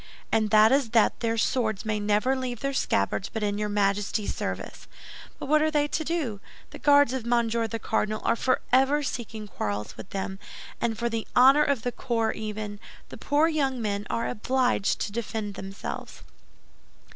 And that is that their swords may never leave their scabbards but in your majesty's service. But what are they to do? The Guards of Monsieur the Cardinal are forever seeking quarrels with them, and for the honor of the corps even, the poor young men are obliged to defend themselves."